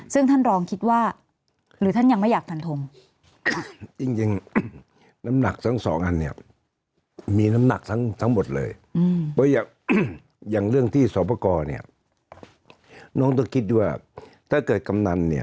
ซึ่งท่านรองคิดว่าหรือท่านยังไม่อยากฟันทง